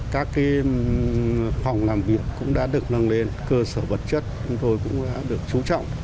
các phòng làm việc cũng đã được nâng lên cơ sở vật chất chúng tôi cũng đã được chú trọng